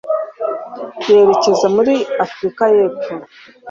Yerekeza muri Afurika y'Epfo,